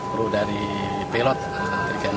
kru dari pilot trigana